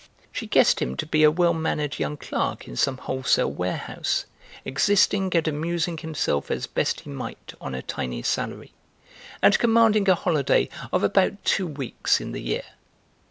She guessed him to be a well mannered young clerk in some wholesale warehouse, existing and amusing himself as best he might on a tiny salary, and commanding a holiday of about two weeks in the year.